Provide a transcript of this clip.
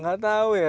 gak tau ya